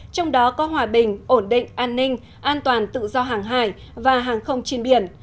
trong đó có hòa bình ổn định an ninh an toàn tự do hàng hải và hàng không trên biển